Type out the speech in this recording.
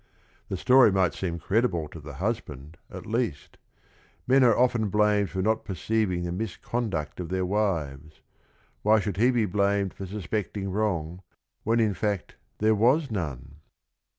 The story might seem credible to the husband, at least. Men are often blamed for not perceiving the mis conduct of their wives; why should he be blamed for suspecting wrong when in fact there was none?